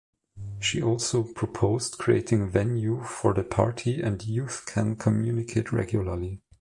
She also proposed creating "venue" for the party and youth can communicate regularly.